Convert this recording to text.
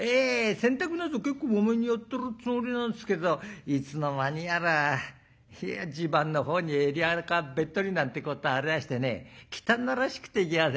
洗濯なぞ結構まめにやってるつもりなんですけどいつの間にやらじゅばんの方に襟あかべっとりなんてことありましてね汚らしくて嫌で」。